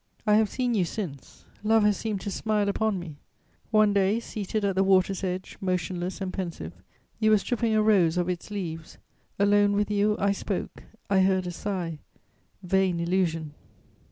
"I have seen you since: love has seemed to smile upon me. One day, seated at the water's edge, motionless and pensive, you were stripping a rose of its leaves; alone with you, I spoke.... I heard a sigh... vain illusion!